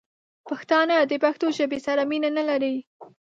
پښتانه دپښتو ژبې سره مینه نه لري